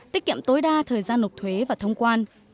tiết kiệm tối đa thời gian nộp thuế và thông quan